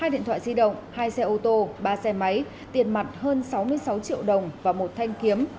hai điện thoại di động hai xe ô tô ba xe máy tiền mặt hơn sáu mươi sáu triệu đồng và một thanh kiếm